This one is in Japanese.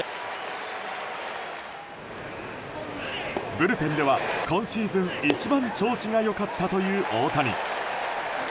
ブルペンでは、今シーズン一番調子が良かったという大谷。